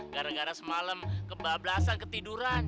gara gara semalam kebablasan ketiduran